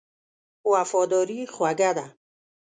وفاداري خوږه ده.